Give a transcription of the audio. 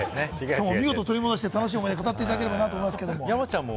取り戻して楽しい思い出を語っていただければと思うんですけれども。